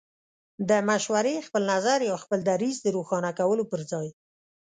د مشورې، خپل نظر يا خپل دريځ د روښانه کولو پر ځای